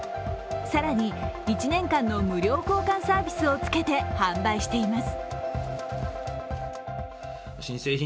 更に１年間の無料交換サービスをつけて販売しています。